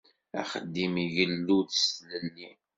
Axeddim igellu-d s tlelli.